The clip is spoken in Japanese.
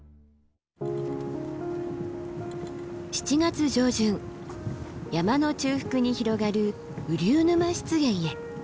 ７月上旬山の中腹に広がる雨竜沼湿原へ。